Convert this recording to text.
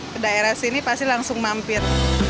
ke daerah sini pasti langsung mampir